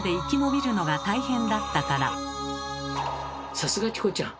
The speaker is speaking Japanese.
さすがチコちゃん！